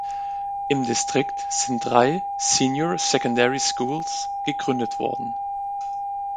Im Distrikt sind drei Senior Secondary Schools gegründet worden.